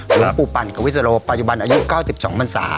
หลวงปู่ปั่นกวิสโลปัจจุบันอายุ๙๒พันศา